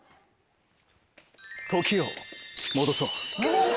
時を戻そう。